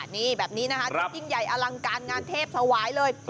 นี่แบบนี้นะคะจะยิ่งใหญ่อลังการงานเทพถวายเลย